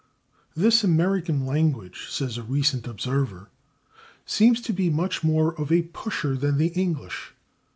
"This American language," says a recent observer, "seems to be much more of a pusher than the English.